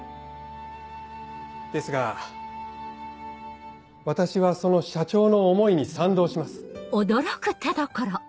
ですが私はその社長の思いに賛同します。